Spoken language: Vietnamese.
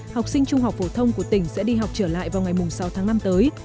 học sinh trung học phổ thông của tỉnh sẽ đi học trở lại vào ngày sáu tháng năm tới